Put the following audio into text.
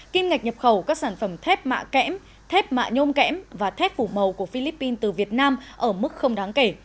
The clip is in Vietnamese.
kim ngạch nhập khẩu các sản phẩm thép mạ kẽm thép mạ nhôm kẽm và thép phủ màu của philippines từ việt nam ở mức không đáng kể